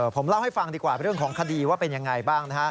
ผมเล่าให้ฟังดีกว่าเรื่องของคดีว่าเป็นยังไงบ้าง